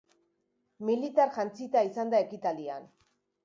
Militar jantzita izan da ekitaldian.